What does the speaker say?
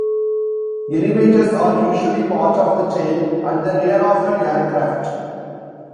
Elevators are usually part of the tail, at the rear of an aircraft.